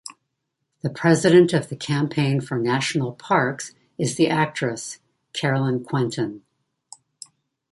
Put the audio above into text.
The President of the Campaign for National Parks is the actress, Caroline Quentin.